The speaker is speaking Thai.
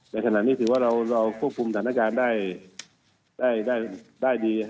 ในขณะนี้ถือว่าเราควบคุมสถานการณ์ได้ดี